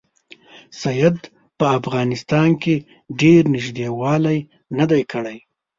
سید په افغانستان کې ډېر نیژدې والی نه دی کړی.